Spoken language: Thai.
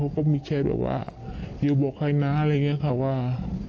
ก็มีแค่แบบว่ายูบอกใครนะอะไรอย่างนี้ค่ะว่า